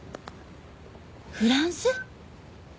フランス？